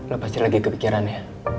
lo pasti lagi kepikiran ya